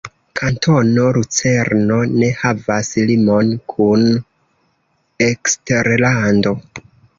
Kantono Lucerno ne havas limon kun eksterlando.